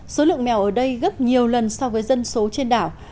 số lượng mèo ở đây gấp nhiều lần so với dân số trên đảo